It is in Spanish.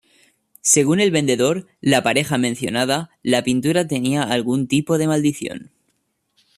Según el vendedor, la pareja mencionada, la pintura tenía algún tipo de maldición.